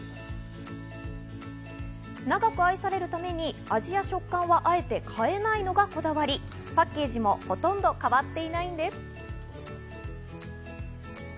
長く愛されるために味や食感はあえて変えないのがこだわり、パッケージもほとんど変わっていないんです。